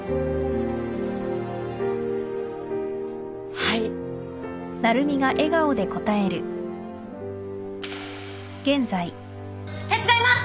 はい手伝います！